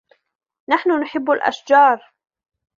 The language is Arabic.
نحن نحب الأشجار.